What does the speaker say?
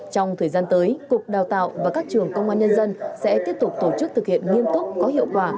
trong thời gian tới cục đào tạo và các trường công an nhân dân sẽ tiếp tục tổ chức thực hiện nghiêm túc có hiệu quả